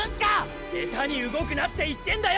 「下手に動くな」って言ってんだよ！